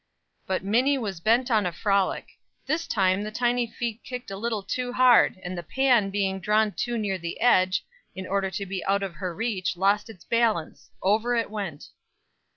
But Minnie was bent on a frolic. This time the tiny feet kicked a little too hard; and the pan being drawn too near the edge, in order to be out of her reach, lost its balance over it went.